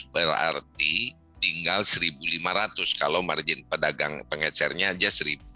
berarti tinggal satu lima ratus kalau margin pedagang pengecernya aja seribu